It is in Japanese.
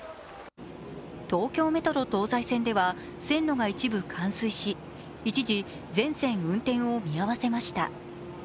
東京メトロ東西線では線路が一部冠水し一時、全線運転を見合わせました。